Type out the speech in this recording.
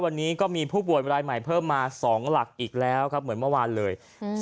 วันนี้ก็มีผู้ป่วยรายใหม่เพิ่มมาสองหลักอีกแล้วครับเหมือนเมื่อวานเลย